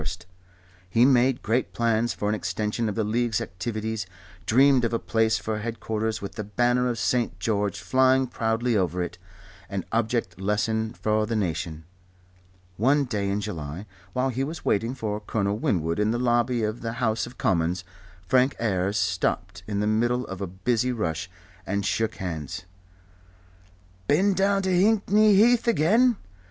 He made great plans for an extension of the League's, activities, dreamed of a palace for headquarters with the banner of St. George flying proudly over it, an object lesson for the nation. One day in July while he was waiting for Colonel Winwood in the lobby of the House of Commons, Frank Ayres stopped in the middle of a busy rush and shook hands. "Been down to Hickney Heath again?